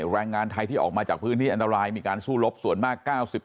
แรงงานไทยที่ออกมาจากพื้นที่อันตรายมีการสู้รบส่วนมาก๙๐